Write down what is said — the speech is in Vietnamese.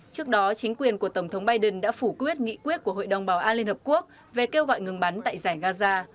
trước đó chính quyền của tổng thống biden đã phủ quyết nghị quyết của hội đồng bảo an liên hợp quốc về kêu gọi ngừng bắn tại giải gaza